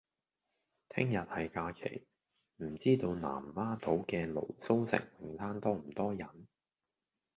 聽日係假期，唔知道南丫島嘅蘆鬚城泳灘多唔多人？